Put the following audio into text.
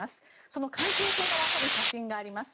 その関係性が分かる写真があります。